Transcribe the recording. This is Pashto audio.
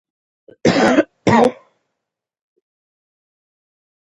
ازادي راډیو د ټولنیز بدلون په اړه د امنیتي اندېښنو یادونه کړې.